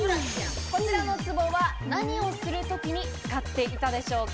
こちらのツボは何をするときに使っていたでしょうか？